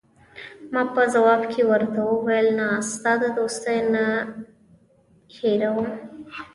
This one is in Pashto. ما په ځواب کې ورته وویل: نه، ستا دوستي نه هیروم.